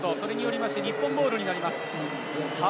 それによって、日本ボールになります。